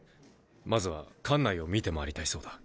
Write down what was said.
まずは館内を見て回りたいそうだ。